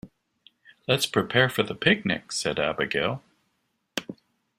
"Let's prepare for the picnic!", said Abigail.